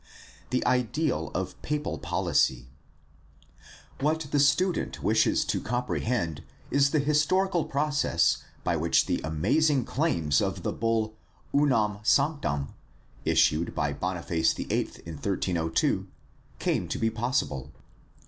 The ideal of papal policy. — What the student wishes to comprehend is the historical process by which the amazing claims of the bull Unam Sanclam, issued by Boniface VIII in 1302, came to be possible.